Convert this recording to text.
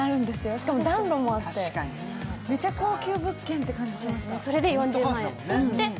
しかも暖炉もあって、めちゃ高級物件って感じがしました。